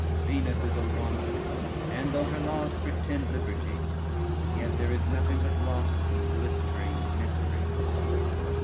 Venus is a wanton, and though her laws pretend liberty, yet there is nothing but loss and glistering misery.